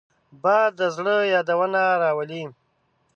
باد د زړه یادونه راولي